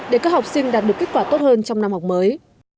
để các học sinh đạt được kết quả tốt hơn trong năm học mới